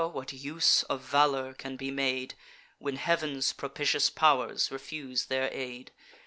what use of valour can be made, When heav'n's propitious pow'rs refuse their aid!